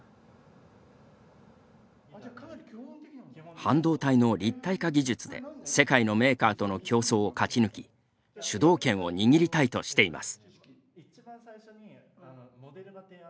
半導体の立体化技術で世界のメーカーとの競争を勝ち抜き主導権を握りたいとしています。